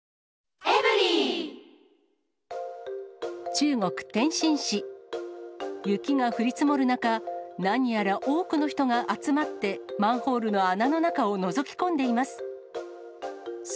中国・天津市、雪が降り積もる中、何やら多くの人が集まって、マンホールの穴の中をのぞき込んでいます。